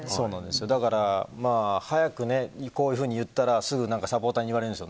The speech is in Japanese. だから早くこういうふうに言ったらすぐサポーターに言われるんですよ。